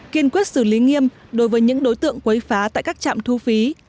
kiên quyết xử lý nghiêm đối với những đối tượng quấy phá tại các trạm thu phí